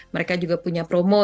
mereka juga punya promo